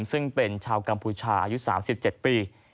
ซึ่งเป็นชาวกัมพูชาอายุ๓๗ปี